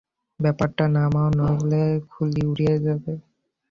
ব্যাটটা নামাও, নইলে খুলি উড়িয়ে দেবো!